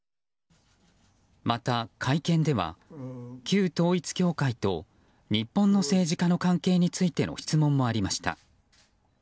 また、会見では旧統一教会と日本の政治家の関係についての質問もありました。